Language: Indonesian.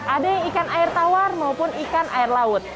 ada yang ikan air tawar maupun ikan air laut